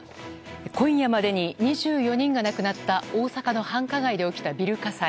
今夜までに２４人が亡くなった大阪の繁華街で起きたビル火災。